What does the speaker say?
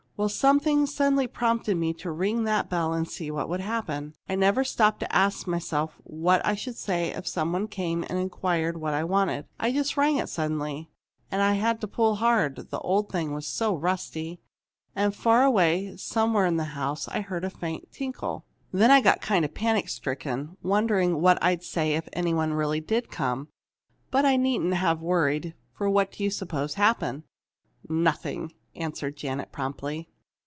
Well, something suddenly prompted me to ring that bell and see what would happen. I never stopped to ask myself what I should say if some one came and inquired what I wanted. I just rang it suddenly (and I had to pull hard, the old thing was so rusty) and far away somewhere in the house I heard a faint tinkle. "Then I got kind of panic stricken, wondering what I'd say if any one did really come. But I needn't have worried, for what do you suppose happened?" "Nothing!" answered Janet, promptly.